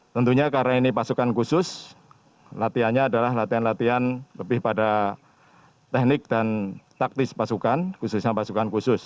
tentunya karena ini pasukan khusus latihannya adalah latihan latihan lebih pada teknik dan taktis pasukan khususnya pasukan khusus